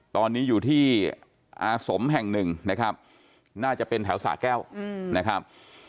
ตอนนี้อยู่ที่อาสมแห่งหนึ่งนะครับน่าจะเป็นแถวสะแก้วนะครับ